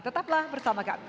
tetaplah bersama kami